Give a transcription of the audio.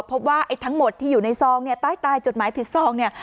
พบว่าไอ้ทั้งหมดที่อยู่ในซองเนี่ยใต้จดหมายผิดซองเนี่ย